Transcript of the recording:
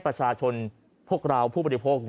ประชาชนพวกเราผู้บริโภค